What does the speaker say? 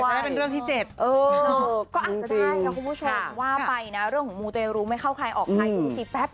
อย่าหนูแจ้งผู้บริหารให้นะ